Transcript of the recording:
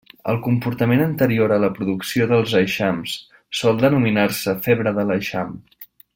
El comportament anterior a la producció dels eixams sol denominar-se febre de l'eixam.